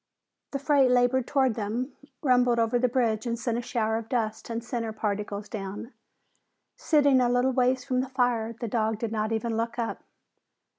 The freight labored toward them, rumbled over the bridge and sent a shower of dust and cinder particles down. Sitting a little ways from the fire, the dog did not even look up.